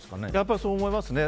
そう思いますね。